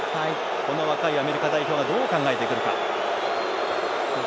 この若いアメリカ代表がどう考えてくるか。